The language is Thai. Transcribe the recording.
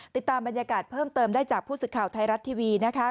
ติดตามบรรยากาศเพิ่มเติมได้จากผู้สื่อข่าวไทยรัฐทีวี